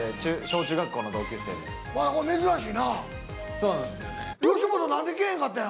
そうなんですよね。